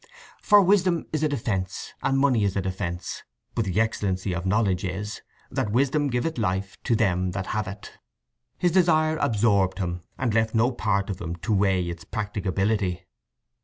"For wisdom is a defence, and money is a defence; but the excellency of knowledge is, that wisdom giveth life to them that have it." His desire absorbed him, and left no part of him to weigh its practicability.